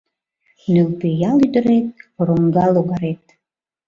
Нӧлпӧял ӱдырет — вороҥга логарет